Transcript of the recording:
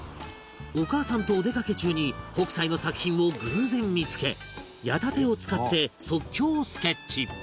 お母さんとお出かけ中に北斎の作品を偶然見付け矢立を使って即興スケッチ